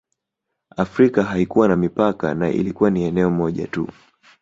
Afrika haikuwa na mipaka na ilikuwa ni eneo moja tu